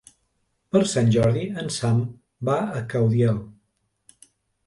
Per Sant Jordi en Sam va a Caudiel.